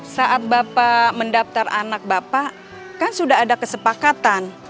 saat bapak mendaftar anak bapak kan sudah ada kesepakatan